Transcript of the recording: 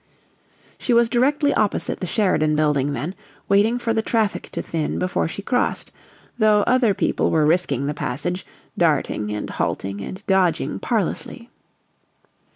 She was directly opposite the Sheridan Building then, waiting for the traffic to thin before she crossed, though other people were risking the passage, darting and halting and dodging parlously.